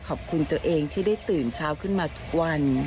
ขอบคุณตัวเองที่ได้ตื่นเช้าขึ้นมาทุกวัน